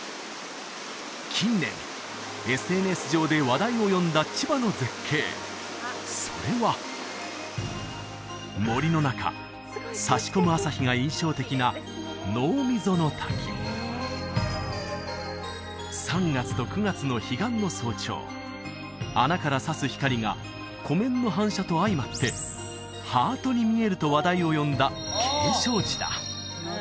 近年ＳＮＳ上で話題を呼んだ千葉の絶景それは森の中差し込む朝日が印象的な濃溝の滝３月と９月の彼岸の早朝穴から差す光が湖面の反射と相まってハートに見えると話題を呼んだ景勝地だ